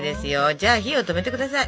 じゃあ火を止めて下さい。